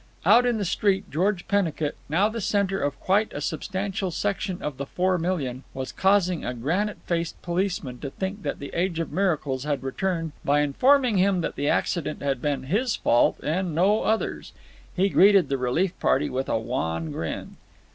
Out in the street George Pennicut, now the centre of quite a substantial section of the Four Million, was causing a granite faced policeman to think that the age of miracles had returned by informing him that the accident had been his fault and no other's. He greeted the relief party with a wan grin.